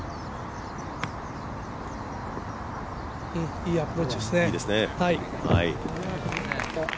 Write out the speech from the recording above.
いいアプローチですね。